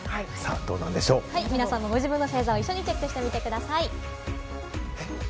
皆さんもご自分の星座を一緒にチェックしてみてください。